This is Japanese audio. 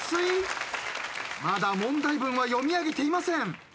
まだ問題文は読み上げていません。